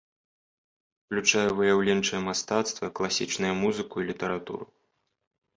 Уключае выяўленчае мастацтва, класічныя музыку і літаратуру.